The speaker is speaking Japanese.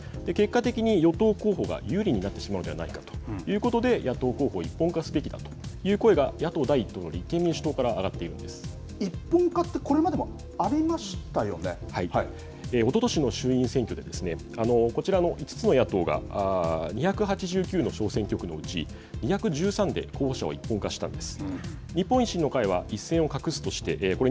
結果的に与党候補が有利になってしまうのではないかということで野党候補を一本化すべきだという声が野党第一党の立憲民主党から一本化はこれまでもおととしの衆院選挙でこちらの５つの野党が２８９の小選挙区のうち２１３で候補者を一本化したんです。